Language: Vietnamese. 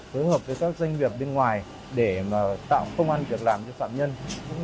phối hợp với các doanh nghiệp bên ngoài để tạo công an việc làm cho phạm nhân